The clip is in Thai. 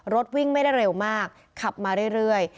รถวิ่งไม่ได้เร็วมากขับมาเรื่อย